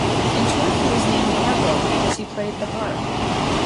In truth he was named Harpo because he played the harp.